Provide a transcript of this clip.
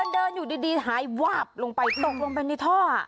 เดินอยู่ดีหายวาบลงไปตกลงไปในท่อ